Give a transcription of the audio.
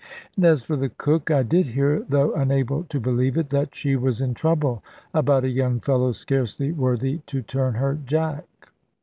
And as for the cook, I did hear, though unable to believe it, that she was in trouble about a young fellow scarcely worthy to turn her jack.